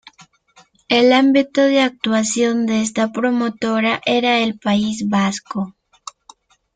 El ámbito de actuación de esta promotora era el País Vasco.